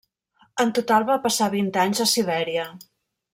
En total va passar vint anys a Sibèria.